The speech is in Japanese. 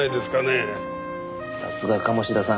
さすが鴨志田さん。